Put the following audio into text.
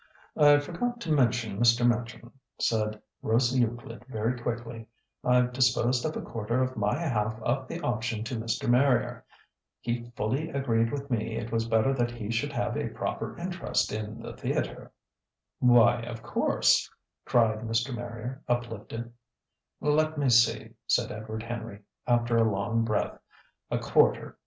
"I forgot to mention, Mr. Machin," said Rose Euclid very quickly. "I've disposed of a quarter of my half of the option to Mr. Marrier. He fully agreed with me it was better that he should have a proper interest in the theatre." "Why of course!" cried Mr. Marrier, uplifted.